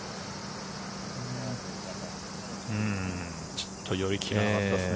ちょっと寄り切れなかったですね。